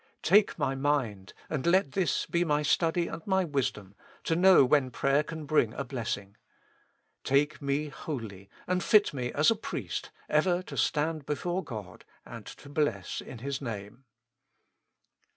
Take my mind and let this be my study and my wisdom, to know when prayer can bring a blessing. Take me wholly and fit me as a priest ever to stand before God and to bless in His Name.